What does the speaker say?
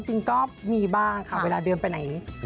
จริงก็มีบ้างค่ะเวลาเดินไปไหน